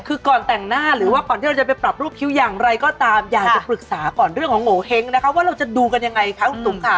คือก่อนแต่งหน้าหรือว่าก่อนที่เราจะไปปรับรูปคิ้วอย่างไรก็ตามอยากจะปรึกษาก่อนเรื่องของโงเห้งนะคะว่าเราจะดูกันยังไงคะคุณตุ๋มค่ะ